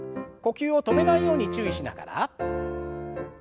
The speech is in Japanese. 呼吸を止めないように注意しながら。